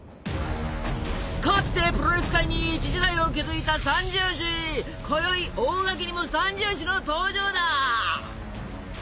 かつてプロレス界に一時代を築いたこよい大垣にも三銃士の登場だ！